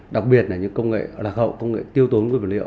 đặc biệt là những công nghệ lạc hậu công nghệ tiêu tốn nguyên vật liệu